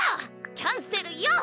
キャンセルよ！